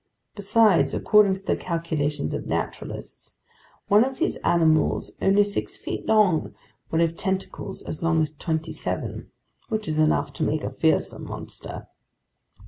Besides, according to the calculations of naturalists, one of these animals only six feet long would have tentacles as long as twenty seven. Which is enough to make a fearsome monster."